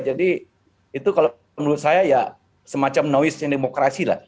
jadi itu kalau menurut saya semacam noise nya demokrasi